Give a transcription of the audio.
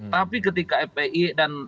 tapi ketika hpi dan